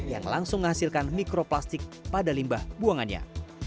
yang langsung menghasilkan mikroplastik pada limbah buangannya